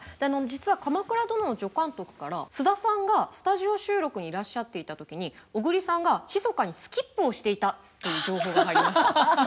実は「鎌倉殿」の助監督から菅田さんがスタジオ収録にいらっしゃっていた時に小栗さんがひそかにスキップをしていたという情報が入りました。